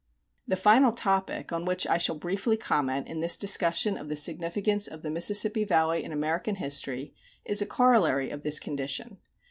The final topic on which I shall briefly comment in this discussion of the significance of the Mississippi Valley in American history is a corollary of this condition.